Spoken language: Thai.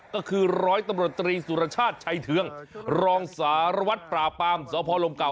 ก็คือร้อยตำรวจตรีสุรชาติชัยเทืองรองสารวัตรปราบปรามสพลมเก่า